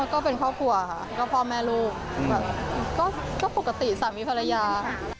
ก็เป็นครอบครัวค่ะก็พ่อแม่ลูกแบบก็ปกติสามีภรรยา